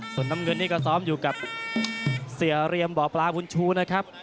ส่วนน้ำเงินนี่ก็ซ้อมอยู่กับเสียเรียมบ่อปลาบุญชูนะครับ